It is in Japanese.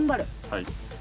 はい。